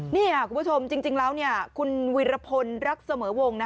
นี่ค่ะคุณผู้ชมจริงแล้วคุณวีรพลรักเสมอวง